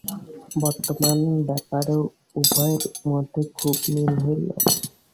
বর্তমান ব্যাপারে উভয়ের মধ্যে খুব মিল হইল।